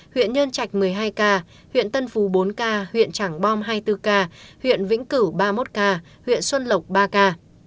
huyện nhân trạch một mươi hai ca huyện tân phú bốn ca huyện trảng bom hai mươi bốn ca huyện vĩnh cửu ba mươi một ca huyện xuân lộc ba ca